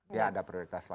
dia ada prioritas lain